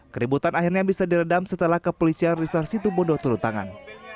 keributan akhirnya bisa diredam setelah kepolisian resor situbondo turun tangan